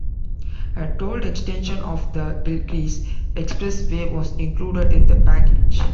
A tolled extension of the Gilcrease Expressway was included in the package.